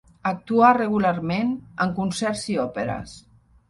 Actuà regularment en concerts i òperes.